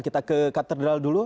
kita ke katedral dulu